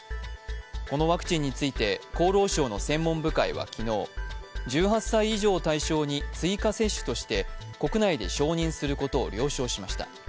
このワクチンについて厚労省の専門部会は昨日１８歳以上を対象に追加接種として国内で承認することを了承しました。